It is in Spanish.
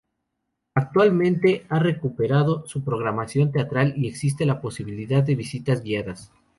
Actualmente ha recuperado su programación teatral, y existe la posibilidad de visitas guiadas.